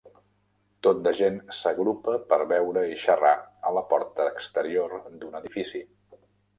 Tot de gent s'agrupa per beure i xerrar a la porta exterior d'un edifici